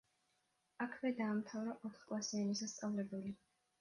აქვე დაამთავრა ოთხკლასიანი სასწავლებელი.